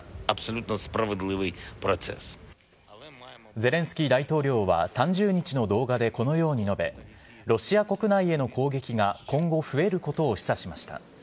ゼレンスキー大統領は３０日の動画でこのように述べ、ロシア国内への攻撃が今後、増えることを示唆しました。